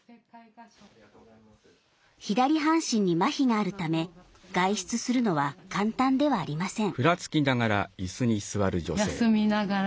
左半身にまひがあるため外出するのは簡単ではありません。